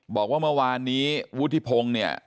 บอกว่าเมื่อวานี้ฮุทธิพงเนี่ย